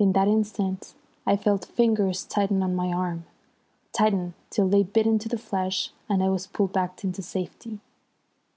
In that instant I felt fingers tighten on my arm, tighten till they bit into the flesh, and I was pulled back into safety.